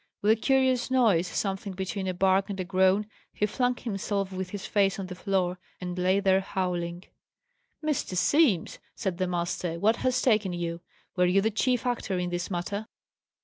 With a curious noise, something between a bark and a groan, he flung himself with his face on the floor, and lay there howling. "Mr. Simms," said the master, "what has taken you? Were you the chief actor in this matter?"